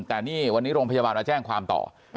แต่นี่วันนี้โรงพยาบาลมาแจ้งความต่อ